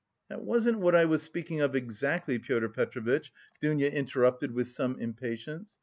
"That wasn't what I was speaking of exactly, Pyotr Petrovitch," Dounia interrupted with some impatience.